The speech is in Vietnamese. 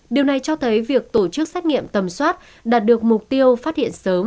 điều này cho thấy việc tổ chức xét nghiệm tầm soát đạt được mục tiêu phát hiện sớm